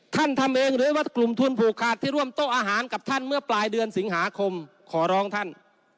ทำเองหรือว่ากลุ่มทุนผูกขาดที่ร่วมโต๊ะอาหารกับท่านเมื่อปลายเดือนสิงหาคมขอร้องท่าน